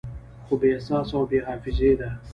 خو بې احساسه او بې حافظې ده